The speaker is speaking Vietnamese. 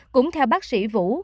cũng theo bác sĩ vũ